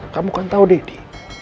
kamu kan tau daddy